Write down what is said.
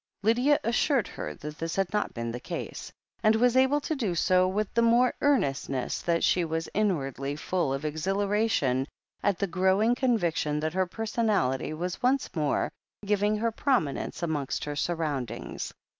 Lydia assured her that this had not been the case, and was able to do so with the more earnestness that she was inwardly full of exhilaration at the growing con viction that her personality was once more giving her prominence amongst her surroundings.